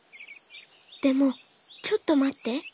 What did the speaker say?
でもちょっとまって。